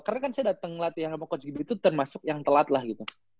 karena kan saya dateng latihan sama coach givi tuh termasuk yang telat lah gitu